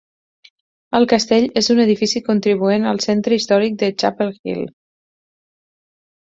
El castell és un edifici contribuent al Centre històric de Chapel Hill.